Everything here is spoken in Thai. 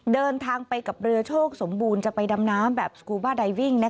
เดินทางไปกับเรือโชคสมบูรณ์จะไปดำน้ำแบบสกูบ้าไดวิ่ง